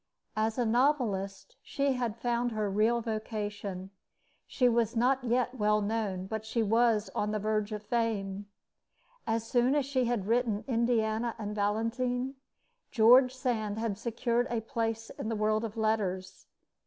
As a novelist, she had found her real vocation. She was not yet well known, but she was on the verge of fame. As soon as she had written Indiana and Valentine, George Sand had secured a place in the world of letters.